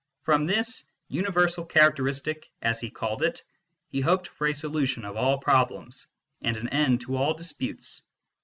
From this " Universal Characteristic," as he called it, he hoped for a solution of all problems, and an end to all disputes.